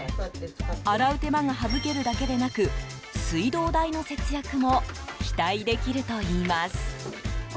洗う手間が省けるだけでなく水道代の節約も期待できるといいます。